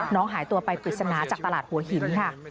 หายตัวไปปริศนาจากตลาดหัวหินค่ะ